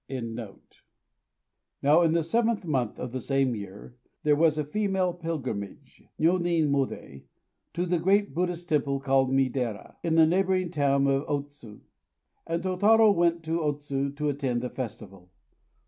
_] Now, in the seventh month of the same year, there was a female pilgrimage (nyonin môdé) to the great Buddhist temple called Miidera, in the neighboring town of Ôtsu; and Tôtarô went to Ôtsu to attend the festival.